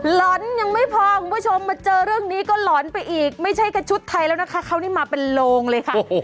หลอนยังไม่พอคุณผู้ชมมาเจอเรื่องนี้ก็หลอนไปอีกไม่ใช่แค่ชุดไทยแล้วนะคะเขานี่มาเป็นโลงเลยค่ะ